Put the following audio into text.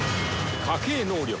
家系能力